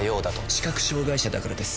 知覚障害者だからです。